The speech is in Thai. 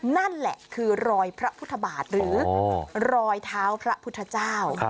นั่นแหละคือรอยพระพุทธบาทหรือรอยเท้าพระพุทธเจ้า